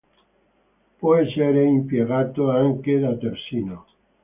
Può essere impiegato anche da terzino.